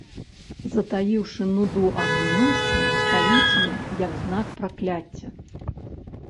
Затаіўшы нуду аб мінуўшчыне, стаіць ён, як знак пракляцця.